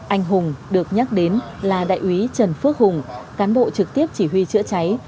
anh hùng được nhắc đến là đại úy trần phước hùng cán bộ trực tiếp chỉ huy chữa cháy